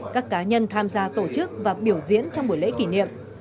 các cá nhân tham gia tổ chức và biểu diễn trong buổi lễ kỷ niệm